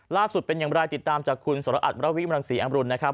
เป็นอย่างไรติดตามจากคุณสรอัตมรวิมรังศรีอำรุณนะครับ